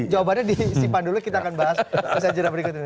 jawabannya disimpan dulu kita akan bahas usaha jadwal berikut ini